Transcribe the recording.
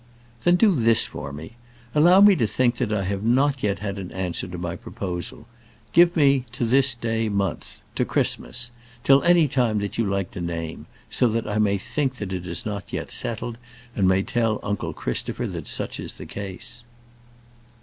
"Then do this for me. Allow me to think that I have not yet had an answer to my proposal; give me to this day month, to Christmas; till any time that you like to name, so that I may think that it is not yet settled, and may tell uncle Christopher that such is the case."